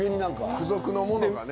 付属のものがね。